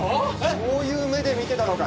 そういう目で見てたのか？